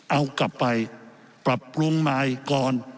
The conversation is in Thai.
เอากลับไปปรับปรุงใหม่ก่อน